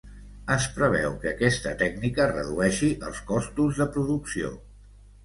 Es preveu que aquesta tècnica redueixi els costos de producció.